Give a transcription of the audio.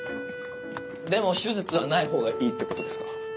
でも手術はないほうがいいってことですか？